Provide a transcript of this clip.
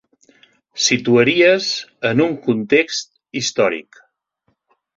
Situaries en un context històric.